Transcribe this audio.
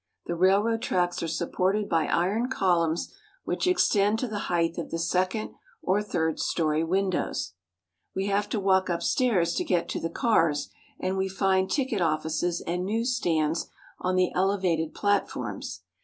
The railroad tracks are supported by iron col umns which extend to the height of the second or third story windows. We have to walk upstairs to get to the cars, and we find ticket offices and news stands on the elevated platforms.